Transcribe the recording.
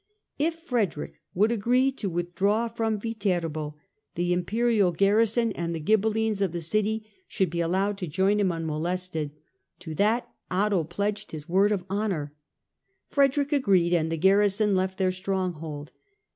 If Frederick would agree to withdraw from Viterbo, the Imperial garrison and the Ghibellines of the city should be allowed to join him unmolested : to that Otho pledged his word of honour. Frederick agreed and the garrison left their stronghold.